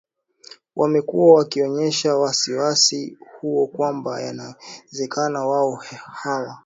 wamekuwa wakionyesha wasi wasi huo kwamba yawezekana wao hawa